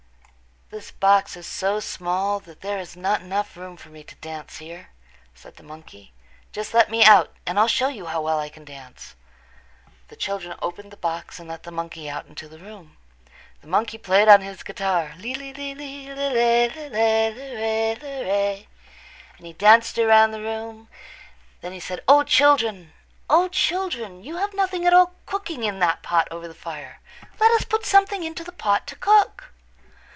"This box is so small that there is not room enough for me to dance here," said the monkey. "Just let me out and I'll show you how well I can dance." The children opened the box and let the monkey out into the room. The monkey played on his guitar, "Lee, lee, lee, lee, lee lay, lee lay, lee ray, lee ray," and he danced about the room. Then he said, "O, children! O, children! You have nothing at all cooking in that pot over the fire. Let us put something into the pot to cook."